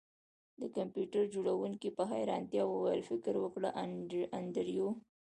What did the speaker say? د کمپیوټر جوړونکي په حیرانتیا وویل فکر وکړه انډریو